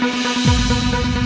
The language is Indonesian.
hah ada kertas